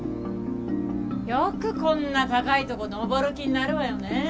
よくこんな高いとこ登る気になるわよねえ。